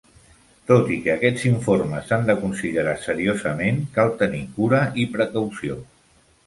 Tot i que aquests informes s'han de considerar seriosament, cal tenir cura i precaució.